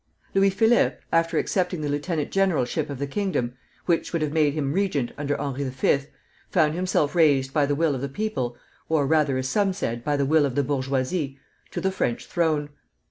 Louis Philippe, after accepting the lieutenant generalship of the kingdom, which would have made him regent under Henri V., found himself raised by the will of the people or rather, as some said, by the will of the bourgeoisie to the French throne.